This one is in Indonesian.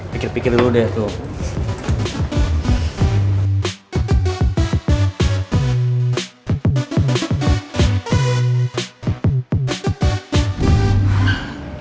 pikir pikir dulu deh tuh